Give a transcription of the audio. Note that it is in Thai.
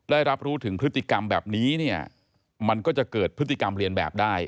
ได้รับรู้ถึงพฤติกรรมแบบนี้เนี่ยมันก็จะเกิดพฤติกรรมเรียนแบบได้